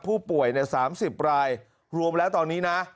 ผู้ป่วยเนี่ยสามสิบรายรวมแล้วตอนนี้นะ